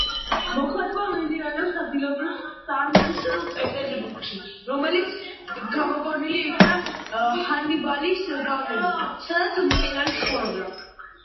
მოქმედება მიმდინარეობს ადგილობრივ სანქტ-პეტერბურგში, რომელიც გამოგონილი იქნა ჰანიბალის გავლენით, სადაც მწერალი ცხოვრობდა.